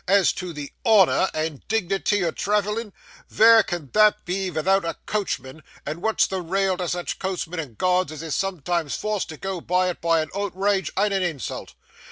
As to the _h_onour and dignity o' travellin', vere can that be vithout a coachman; and wot's the rail to sich coachmen and guards as is sometimes forced to go by it, but a outrage and a insult?